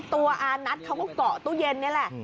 อานัทเขาก็เกาะตู้เย็นนี่แหละ